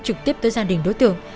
trực tiếp tới gia đình đối tượng